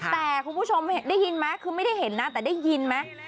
แต่คุณผู้ชมได้ยินไหมคือไม่ได้เห็นนะแต่ได้ยินไหม